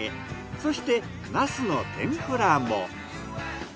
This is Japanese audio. そしてナスの天ぷらも。